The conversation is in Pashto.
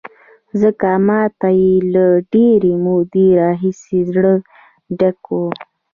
ځکه ما ته یې له ډېرې مودې راهیسې زړه ډک و.